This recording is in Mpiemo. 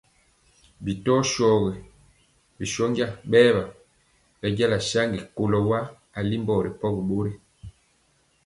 Bi tɔ shogi ŋɛɛ bi shónja bɛɛwa bɛnjala saŋgi kɔlo wa alimbɔ ripɔgi bori.